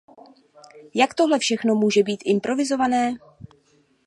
Jak tohle všechno může být improvizované?